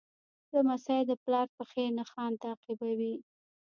لمسی د پلار پښې نښان تعقیبوي.